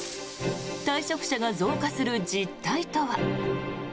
退職者が増加する実態とは。